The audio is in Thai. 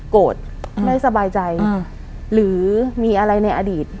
โกรธไม่สบายใจหรือมีอะไรในอดีต